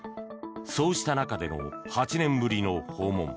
そうした中での８年ぶりの訪問。